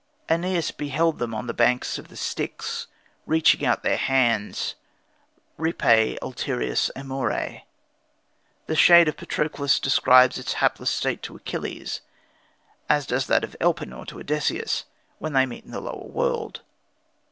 Æneas beheld them on the banks of the Styx, stretching out their hands "ripæ ulterioris amore." The shade of Patroclus describes its hapless state to Achilles, as does that of Elpenor to Odysseus, when they meet in the lower world.